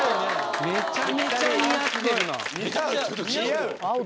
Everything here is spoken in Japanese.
めちゃめちゃ似合ってるな似合う！